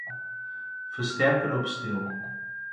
Fersterker op stil.